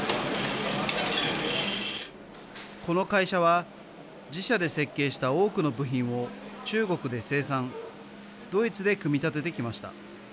この会社は自社で設計した多くの部品を中国で生産ドイツで組み立ててきました。